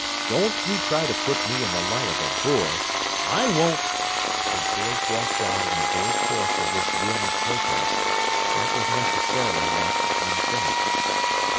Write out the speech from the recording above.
Don't you try to put me in the light of a boor! I won't—" But George walked out in the very course of this vehement protest, and it was necessarily left unfinished.